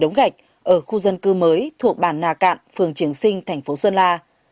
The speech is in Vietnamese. đóng gạch ở khu dân cư mới thuộc bàn nà cạn phường triển sinh thành phố sơn la